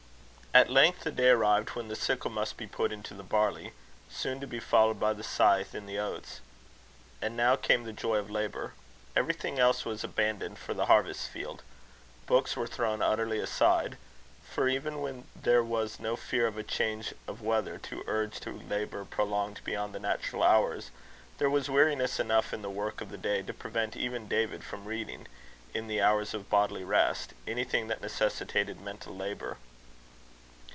At length the day arrived when the sickle must be put into the barley, soon to be followed by the scythe in the oats. And now came the joy of labour. Everything else was abandoned for the harvest field. Books were thrown utterly aside; for, even when there was no fear of a change of weather to urge to labour prolonged beyond the natural hours, there was weariness enough in the work of the day to prevent even David from reading, in the hours of bodily rest, anything that necessitated mental labour.